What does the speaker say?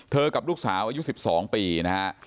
กับลูกสาวอายุ๑๒ปีนะฮะ